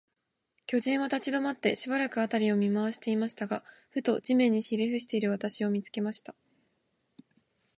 巨人は立ちどまって、しばらく、あたりを見まわしていましたが、ふと、地面にひれふしている私を、見つけました。